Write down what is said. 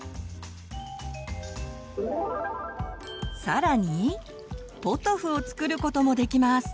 さらにポトフを作ることもできます。